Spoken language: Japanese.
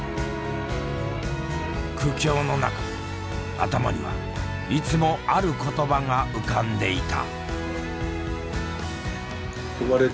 苦境の中頭にはいつもある言葉が浮かんでいた。